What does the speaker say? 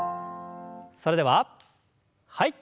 それでははい。